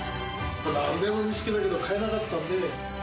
何台も見つけたけど、買えなかったんで。